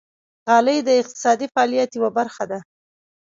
غالۍ د اقتصادي فعالیت یوه برخه ده.